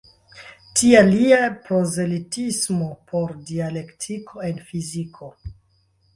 Tial lia prozelitismo por dialektiko en fiziko.